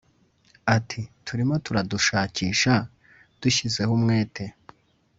Ati "Turimo turadushakisha dushyizeho umwete